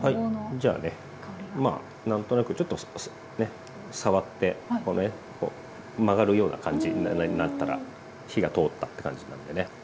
じゃあねまあなんとなくちょっとね触ってこうねこう曲がるような感じになったら火が通ったって感じなんでね。